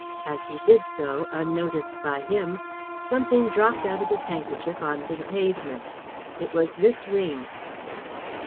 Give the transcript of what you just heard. As he did so, unnoticed by him, something dropped out of his handkerchief on to the pavement. It was this ring."